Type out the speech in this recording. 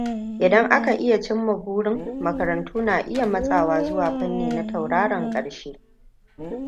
Idan aka iya cimma burin, makarantu na iya masawa zuwa fanni na tauraron karshe.